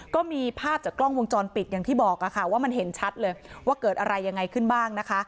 ก็มีภาพจากกล้องวงจรปิดอย่างที่บอกค่ะว่ามันเห็นชัดเลยว่าเกิดอะไรยังไงขึ้นบ้างนะคะ